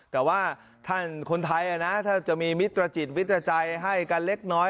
แต่ว่าท่านคนไทยนะถ้าจะมีมิตรจิตมิตรใจให้กันเล็กน้อย